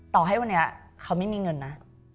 ต่อให้วันนี้เขาไม่มีเงินนะ